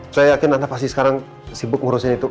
saya yakin anda pasti sekarang sibuk ngurusin itu